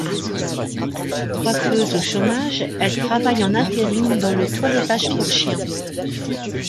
Coiffeuse au chômage, elle travaille en intérim dans le toilettage pour chien.